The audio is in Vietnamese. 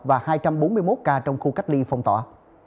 và hai trăm bốn mươi một ca trong khu cách ly phong tỏa